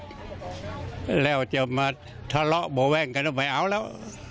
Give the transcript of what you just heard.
มาแล้วจะมาทะเลาะบ่แว่งกันออกไปเอาแล้ว